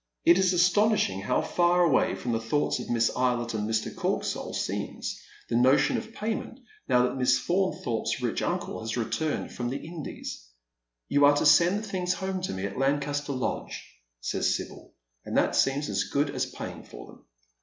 It ik astonishing how far away irom the thoughts of Miss Eylett and Mr. Korksoll seems the notion of payment now that Miss Faun thorpe's rich uncle has returned from the Indies. " You are to send the things home to me at Lancaster Lodge," says Sibyl, and that seems as good as paying for them.